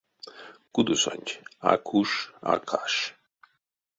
Кудосонть а куш а каш.